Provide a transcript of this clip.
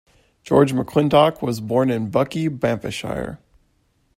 George McIntosh was born in Buckie, Banffshire.